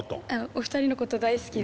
お二人のこと大好きで。